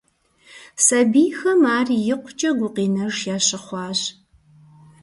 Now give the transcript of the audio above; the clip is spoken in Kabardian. Сабийхэм ар икъукӀэ гукъинэж ящыхъуащ.